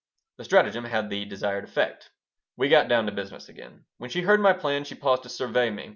The stratagem had the desired effect We got down to business again. When she heard my plan she paused to survey me.